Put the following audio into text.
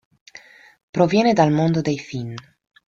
Proviene dal mondo dei Finn.